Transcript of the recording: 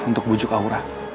untuk bujuk aura